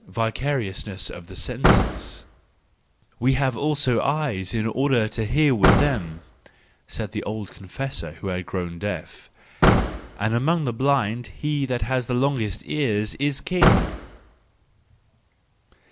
Vicariousness of the Senses .—"We have also eyes in order to hear with them,"—said an old confessor who had grown deaf; "and among the blind he that has the longest ears is king."